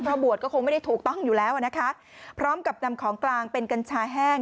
เพราะบวชก็คงไม่ได้ถูกต้องอยู่แล้วอ่ะนะคะพร้อมกับนำของกลางเป็นกัญชาแห้ง